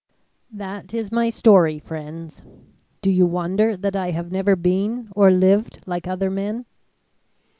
"That is my story, friends. Do you wonder that I have never been or lived like other men?"